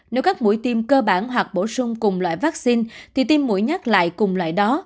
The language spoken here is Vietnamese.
nếu các mũi tiêm cơ bản hoặc bổ sung cùng loại vaccine thì tiêm mũi nhắc lại cùng loại đó